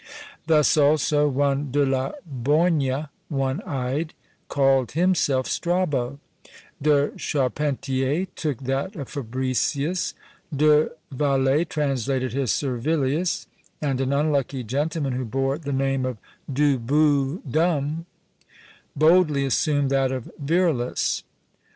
Thus also one De la Borgne (one eyed) called himself Strabo; De Charpentier took that of Fabricius; De Valet translated his Servilius; and an unlucky gentleman, who bore the name of Du bout d'Homme, boldly assumed that of Virulus.